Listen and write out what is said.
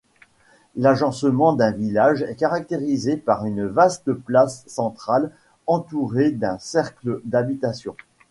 L'agencement d'un village est caractérisé par une vaste place centrale entourée d'un cercle d'habitations.